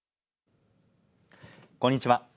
こんにちは。